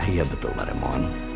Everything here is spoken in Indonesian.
iya betul pak remon